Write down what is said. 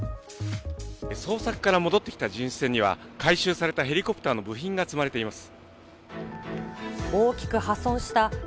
捜索から戻ってきた巡視船には、回収されたヘリコプターの部品が積まれています。